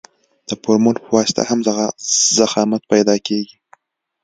د فورمول په واسطه هم ضخامت پیدا کیږي